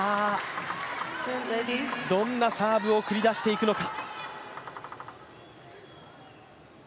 どんなサーブを繰り出していくのか。